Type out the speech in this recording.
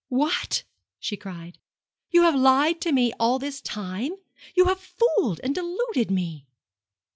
'What?' she cried. 'You have lied to me all this time you have fooled and deluded me!'